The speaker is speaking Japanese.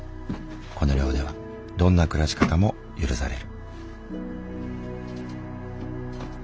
この寮ではどんな暮らし方も許される。